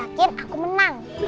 aku yakin aku menang